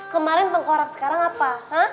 kemarin tengkorak sekarang apa